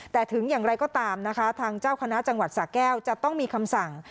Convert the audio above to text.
แต่ถึงอย่างไรก็ตามนะคะทางเจ้าคณะจังหวัดสาแก้วจะต้องมีคำสั่ง